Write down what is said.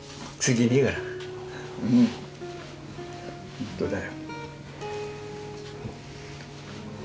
本当だよ。